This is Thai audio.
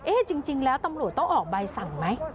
จริงแล้วตำรวจต้องออกใบสั่งไหม